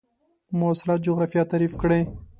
مواصلات جغرافیه تعریف کړئ.